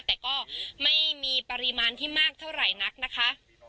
แต่ก็ไม่มีปริมาณที่มากเท่าไหร่นักนะคะ